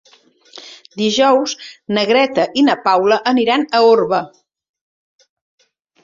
Dijous na Greta i na Paula aniran a Orba.